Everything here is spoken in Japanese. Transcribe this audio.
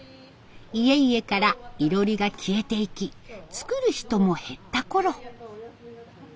家々からいろりが消えていき作る人も減ったころ。